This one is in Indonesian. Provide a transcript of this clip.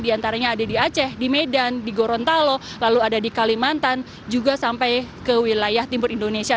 di antaranya ada di aceh di medan di gorontalo lalu ada di kalimantan juga sampai ke wilayah timur indonesia